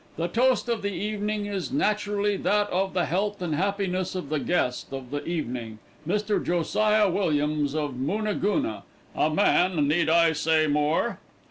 The toast of the evening is naturally that of the health and happiness of the guest of the evening, Mr. Josiah Williams of Moonagoona a man, need I say more?"